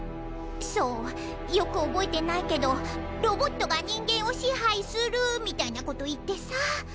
そうよく覚えてないけど「ロボットが人間を支配する」みたいなこと言ってさ。